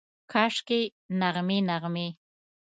کاشکي، نغمې، نغمې